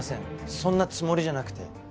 そんなつもりじゃなくて。